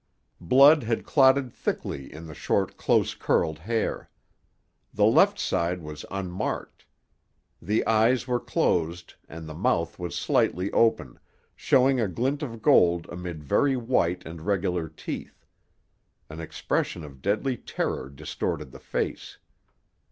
Blood had clotted thickly in the short close curled hair. The left side was unmarked. The eyes were closed and the mouth was slightly open, showing a glint of gold amid very white and regular teeth. An expression of deadly terror distorted the face.